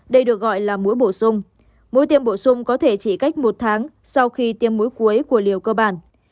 đây được gọi là mũi bổ sung mũi tiêm bổ sung có thể chỉ cách một tháng sau khi tiêm mũi cuối của liều cơ bản